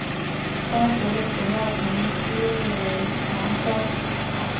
该湖的主要沉积物为芒硝。